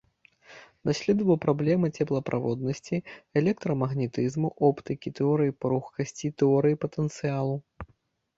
Даследаваў праблемы цеплаправоднасці, электрамагнетызму, оптыкі, тэорыі пругкасці, тэорыі патэнцыялу.